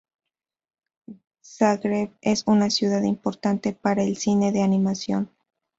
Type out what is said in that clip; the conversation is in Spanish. Zagreb es una ciudad importante para el cine de animación.